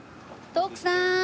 徳さん？